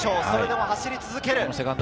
それでも走り続ける。